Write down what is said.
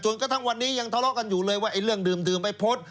กระทั่งวันนี้ยังทะเลาะกันอยู่เลยว่าไอ้เรื่องดื่มไปโพสต์